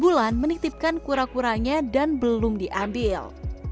bulan menitipkan kura kuranya dan belum diambil